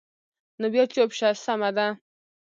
نو بیا چوپ شه، سمه ده.